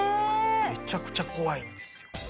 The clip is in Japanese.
めちゃくちゃ怖いんですよ